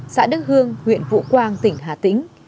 xã đức hương huyện vũ quang tỉnh hà tĩnh